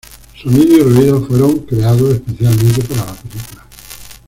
Sonidos y ruidos fueron creados específicamente para la película.